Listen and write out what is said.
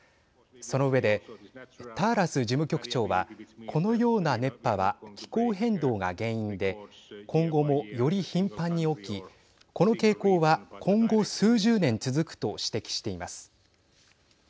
その上でターラス事務局長はこのような熱波は気候変動が原因で今後も、より頻繁に起きこの傾向は今後、数十年続くと指摘しています。